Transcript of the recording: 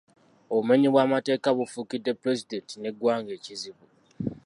Obumenyi bw’amateeka bufuukidde Pulezidenti n’eggwanga ekizibu.